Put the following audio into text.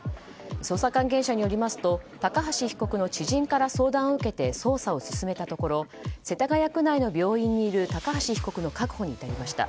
捜査関係者によりますと高橋被告の知人から相談を受けて捜査を進めたところ世田谷区内の病院にいる高橋被告の確保に至りました。